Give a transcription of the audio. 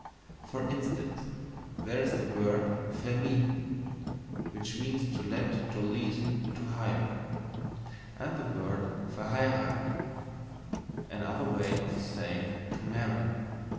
For instance, there is the word VERMIETHEN (to let, to lease, to hire); and the word VERHEIRATHEN (another way of saying to marry).